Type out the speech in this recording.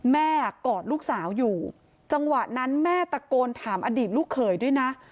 กอดลูกสาวอยู่จังหวะนั้นแม่ตะโกนถามอดีตลูกเขยด้วยนะ